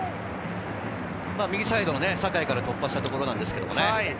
右サイドの酒井から突破したところですけどね。